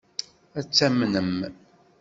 Ad t-tamnem?